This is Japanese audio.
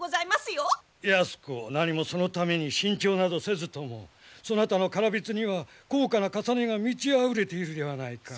泰子なにもそのために新調などせずともそなたの唐びつには高価な重ねが満ちあふれているではないか。